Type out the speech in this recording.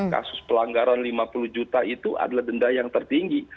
kasus pelanggaran lima puluh juta itu adalah denda yang tertinggi